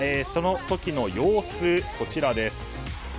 その時の様子こちらです。